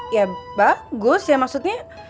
ya bagus ya maksudnya